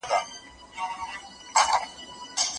د جرګې له پاره د ځای انتخاب څوک کوي؟